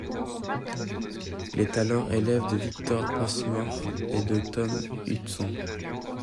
Il est alors élève de Victor Pasmore et de Tom Hudson.